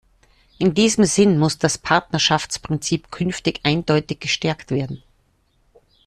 In diesem Sinn muss das Partnerschaftsprinzip künftig eindeutig gestärkt werden.